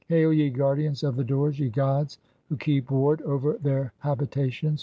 Hail, ye guardians of the doors, ye [gods] who 'keep ward over their habitations